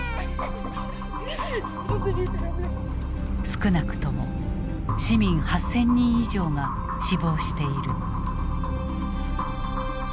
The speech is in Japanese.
少なくとも市民８，０００人以上が死亡している。